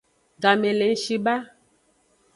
Game le ng shi ba.